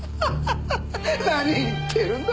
何言ってるんだ。